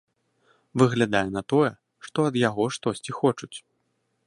Выглядае на тое, што ад яго штосьці хочуць.